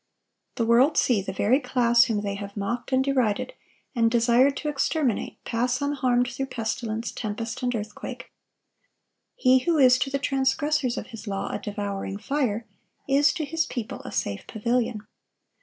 The world see the very class whom they have mocked and derided, and desired to exterminate, pass unharmed through pestilence, tempest, and earthquake. He who is to the transgressors of His law a devouring fire, is to His people a safe pavilion.